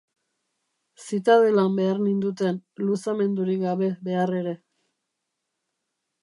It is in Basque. Zitadelan behar ninduten, luzamendurik gabe behar ere.